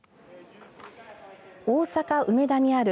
大阪、梅田にある